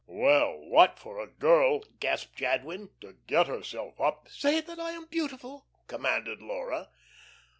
"Well, what for a girl!" gasped Jadwin, "to get herself up " "Say that I am beautiful," commanded Laura.